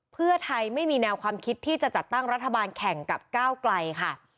เพื่อไทยไม่มีแนวความคิดที่จะจัดตั้งรัฐบาลแข่งกับก้าวไกลค่ะ